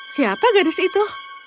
siapa gadis itu